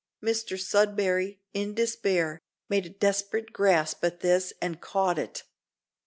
Mr Sudberry, in despair, made a desperate grasp at this and caught it.